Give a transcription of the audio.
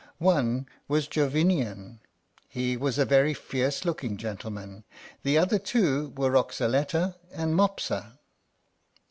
One was Jovinian, he was a very fierce looking gentleman; the other two were Roxaletta and Mopsa.